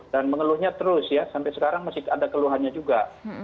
dan mengeluhnya terus ya sampai sekarang masih ada keluhannya juga